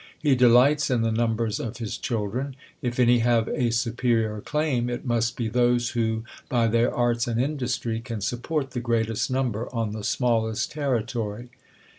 He delights in the numbers of his children. If any have a superior claim, it must be those, who, by their arts and industry, can support the greatest number on the smallest territory.